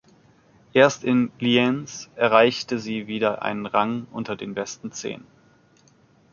Erst in Lienz erreichte sie wieder einen Rang unter den besten zehn.